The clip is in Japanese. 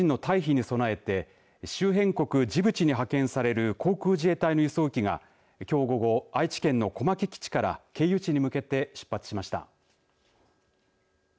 アフリカのスーダンにいる日本人の退避に備えて周辺国ジブチに派遣される航空自衛隊の輸送機がきょう午後愛知県の小牧基地から経由地に向けて出発しました。